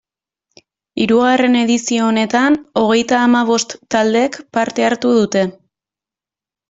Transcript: Hirugarren edizio honetan, hogeita hamabost taldek parte hartu dute.